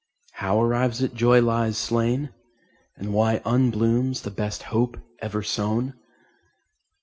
How arrives it joy lies slain, And why unblooms the best hope ever sown?